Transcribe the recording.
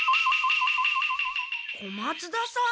小松田さん